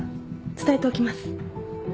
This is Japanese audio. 伝えておきます。